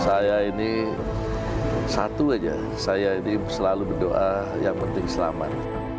saya ini satu saja saya ini selalu berdoa yang penting selamat